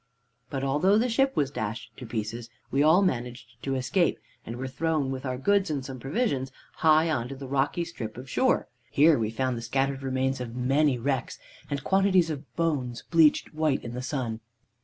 "But although the ship was dashed to pieces, we all managed to escape, and were thrown with our goods and some provisions high on to the rocky strip of shore. Here we found the scattered remains of many wrecks, and quantities of bones bleached white in the sun.